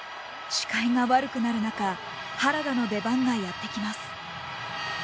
視界が悪くなる中原田の出番がやって来ます。